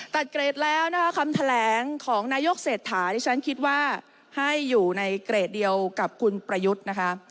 เกรดแล้วนะคะคำแถลงของนายกเศรษฐาที่ฉันคิดว่าให้อยู่ในเกรดเดียวกับคุณประยุทธ์นะคะ